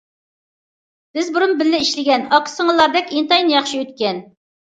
بىز بۇرۇن بىللە ئىشلىگەن، ئاكا- سىڭىللاردەك ئىنتايىن ياخشى ئۆتكەن.